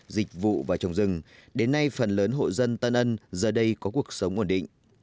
dịch vụ và trồng rừng đến nay phần lớn hộ dân tân ân giờ đây có cuộc sống ổn định